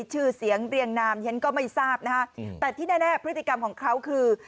ชื่อเสียงเรียงนามฉันก็ไม่ทราบนะฮะแต่ที่แน่พฤติกรรมของเขาคือ